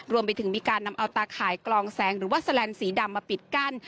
รวมไปถึงมีการนำเอาตาข่ายกลองแสงหรือว่าแสลนสีดำมาปิดกั้น